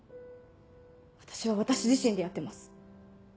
私は私自身でやってます。